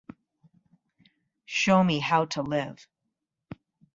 Show me how to live.